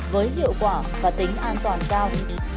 với hiệu quả và tính an toàn cao